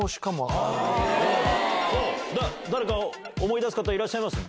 思い出す方いらっしゃいます？